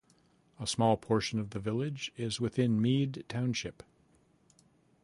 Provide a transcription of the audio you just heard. A small portion of the village is within Meade Township.